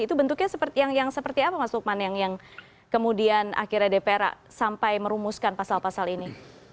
itu bentuknya seperti apa mas lukman yang kemudian akhirnya dpr sampai merumuskan pasal pasal ini